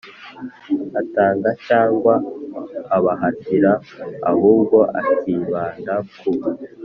atanga cyangwa abahatira ahubwo akibanda ku